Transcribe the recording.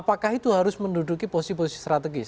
apakah itu harus menduduki posisi posisi strategis